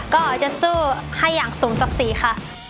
ก็จะสู้ให้อย่างสมศักดิ์ศรีค่ะ